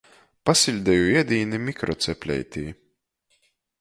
Pasiļdeju iedīni mikrocepleitī.